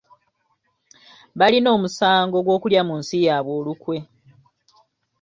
Balina omusango gw’okulya mu nsi yaabwe olukwe.